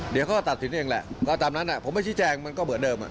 เดี๋ยวเขาก็ตัดสินเองแหละก็ตามนั้นผมไม่ชี้แจงมันก็เหมือนเดิม